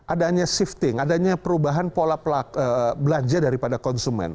adanya shifting adanya perubahan pola belanja daripada konsumen